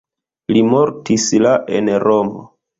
Li mortis la en Romo.